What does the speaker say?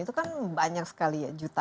itu kan banyak sekali ya jutaan